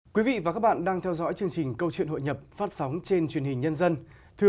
các bạn hãy đăng ký kênh để ủng hộ kênh của chúng mình nhé